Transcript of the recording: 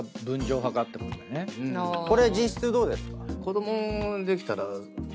これ実質どうですか？